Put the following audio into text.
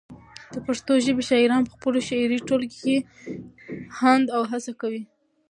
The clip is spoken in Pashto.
د پښتو ژبی شاعران پخپلو شعري ټولګو کي هاند او هڅه کوي